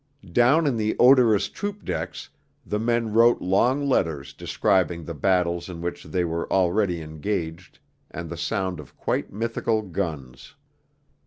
Down in the odorous troop decks the men wrote long letters describing the battles in which they were already engaged, and the sound of quite mythical guns.